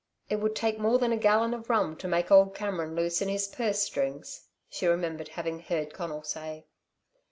"It would take more than a gallon of rum to make old Cameron loosen his purse strings," she remembered having heard Conal say.